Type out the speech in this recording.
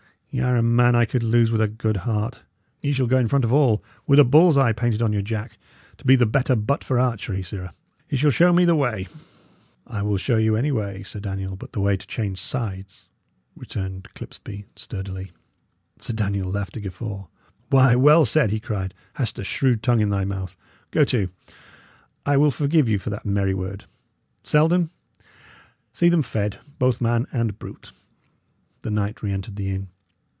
Y' are a man I could lose with a good heart; ye shall go in front of all, with a bull's eye painted on your jack, to be the better butt for archery; sirrah, ye shall show me the way." "I will show you any way, Sir Daniel, but the way to change sides," returned Clipsby, sturdily. Sir Daniel laughed a guffaw. "Why, well said!" he cried. "Hast a shrewd tongue in thy mouth, go to! I will forgive you for that merry word. Selden, see them fed, both man and brute." The knight re entered the inn.